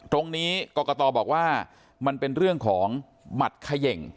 กรกตบอกว่ามันเป็นเรื่องของหมัดเขย่ง